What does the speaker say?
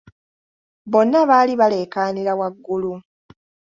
Bonna baali baleekaanira waggulu.